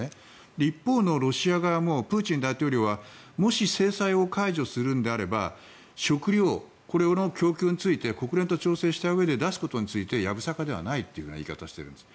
一方のロシア側もプーチン大統領はもし制裁を解除するんであれば食料の供給について国連と調整したうえで出すことについてやぶさかではないという言い方をしているんです。